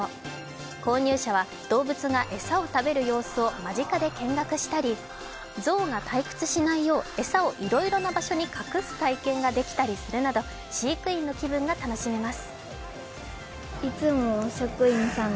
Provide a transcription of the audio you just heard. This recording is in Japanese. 購入者は動物が餌を食べる様子を間近で見学したりゾウが退屈しないよう餌をいろいろな場所に隠す体験ができたりするなど、飼育員の気分が楽しめます。